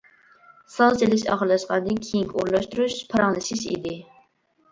ساز چېلىش ئاخىرلاشقاندىن كېيىنكى ئورۇنلاشتۇرۇش پاراڭلىشىش ئىدى.